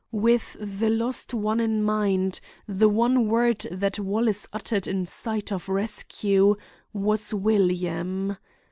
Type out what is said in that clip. With the lost one in mind, the one word that Wallace uttered in sight of rescue, was William.